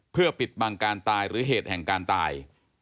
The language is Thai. เพื่อปิดบังการตายหรือเหตุแห่งการตาย